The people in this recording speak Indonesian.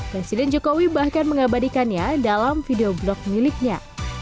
presiden jokowi bahkan mengabadikannya dalam video blog miliknya